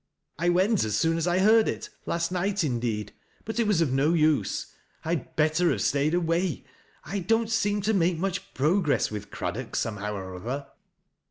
" I went as soon as 1 heard it, last night indeed ; but it was of no use. I had better have stayed away. I don't seem to make much progress with Craddock, somehow or other.